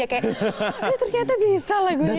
kayak eh ternyata bisa lagunya